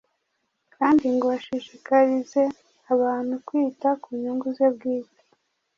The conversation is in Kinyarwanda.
kandi ngo ashishikarize abantu kwita ku nyungu ze bwite.